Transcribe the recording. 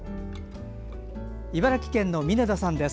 茨城県の峯田さんです。